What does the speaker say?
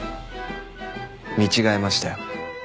見違えましたよ。